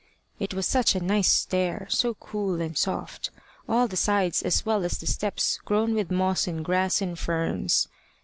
It was such a nice stair, so cool and soft all the sides as well as the steps grown with moss and grass and ferns!